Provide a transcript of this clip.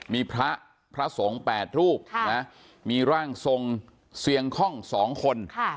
มีพระพระสงฆ์๘รูปมีร่างทรงเสียงคล่อง๒คน